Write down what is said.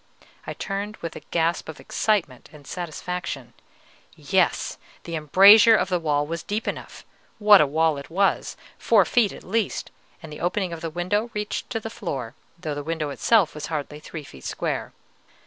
I turned with a gasp of excitement and satisfaction: yes, the embrasure of the wall was deep enough; what a wall it was! four feet at least, and the opening of the window reached to the floor, though the window itself was hardly three feet square.